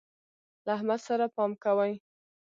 له احمد سره پام کوئ.